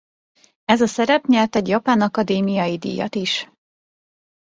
Ez a szerep nyert egy japán akadémiai díjat is.